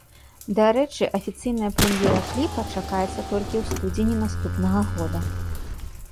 Дарэчы, афіцыйная прэм'ера кліпа чакаецца толькі ў студзені наступнага года.